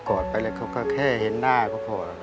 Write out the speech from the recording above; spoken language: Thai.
อดไปเลยเขาก็แค่เห็นหน้าก็พอ